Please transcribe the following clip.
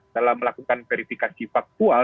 dalam melakukan verifikasi faktual